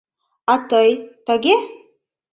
А тый — тыге?..